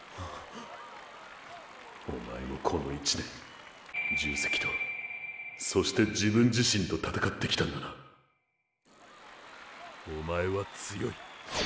おまえもこの一年重責とそして自分自身と闘ってきたんだなおまえは強い。